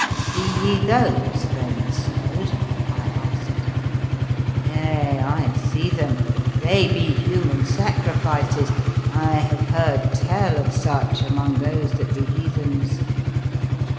1 ' See ye those, friend Snoad ?" I asked. 14 Yea, I see them; they be human sacrifices. I have heard tell of such among those that be heathens."